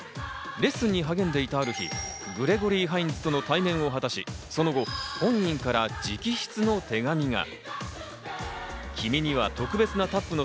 レッスンに励んでいたある日、グレゴリー・ハインズとの対面を果たし、そのご本人から直筆の手紙が。